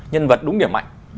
nhân vật đúng điểm mạnh